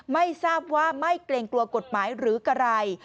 ไม่ทราบว่าไม่เกรงกลัวกฎหมายหรืออะไร